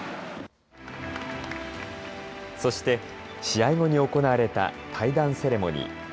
そして、試合後に行われた退団セレモニー。